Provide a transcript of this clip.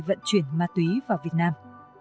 vận chuyển ma túy vào việt nam